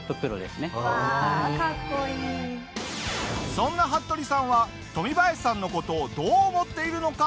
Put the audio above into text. そんな服部さんはトミバヤシさんの事をどう思っているのか？